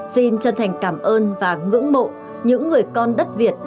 xin chân thành cảm ơn và ngưỡng mộ những người con đất việt